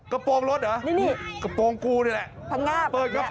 กระโปรงรถเหรอ